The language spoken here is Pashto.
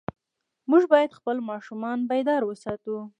موږ باید خپل ماشومان بیدار وساتو.